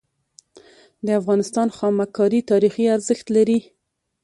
د افغانستان خامک کاری تاریخي ارزښت لري.